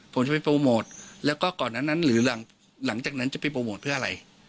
ผมจะไปโปรโมทแล้วก็ก่อนนั้นหรือหลังจากนั้นจะไปโปรโมทเพื่ออะไร